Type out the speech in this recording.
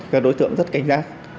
các đối tượng rất canh gác